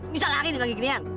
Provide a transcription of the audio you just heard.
bisa lari nih pake ginian